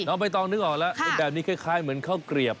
เอาไปต้องนึกออกแล้วแบบนี้คล้ายเหมือนข้าวเกรียบ